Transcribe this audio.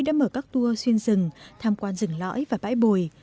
đã mở các tour xuyên rừng tham quan rừng lõi và bãi bồi